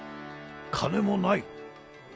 金もない。